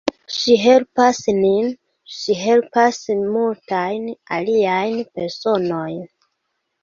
Ŝi helpas nin, ŝi helpas multajn aliajn personojn.